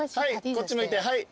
こっち向いてはい。